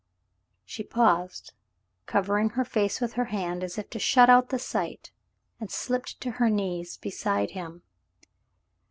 She paused, covering her face ^4th her hand as if to shut out the sight, and slipped to her knees beside him.